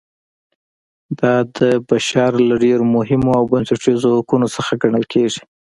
دا د بشر له ډېرو مهمو او بنسټیزو حقونو څخه ګڼل کیږي.